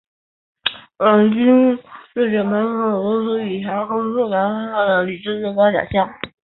朗道金质奖章是俄罗斯科学院及其前身苏联科学院颁发的理论物理最高奖项。